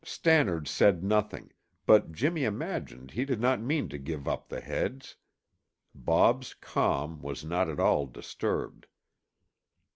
Stannard said nothing, but Jimmy imagined he did not mean to give up the heads. Bob's calm was not at all disturbed.